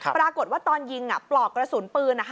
ปรากฏว่าตอนยิงปลอกกระสุนปืน